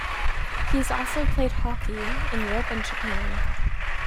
He has also played hockey in Europe and Japan.